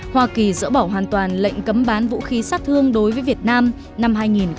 hoa kỳ dỡ bỏ hoàn toàn lệnh cấm bán vũ khí sát thương đối với việt nam năm hai nghìn một mươi